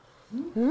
うん？